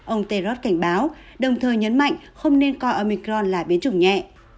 ông terod cảnh báo đồng thời nhấn mạnh không nên coi omicron là biến chủng nhẹ